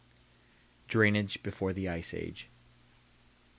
DRAINAGE BEFORE THE ICE AGE.